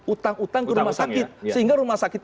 utang utang ke rumah sakit sehingga rumah sakit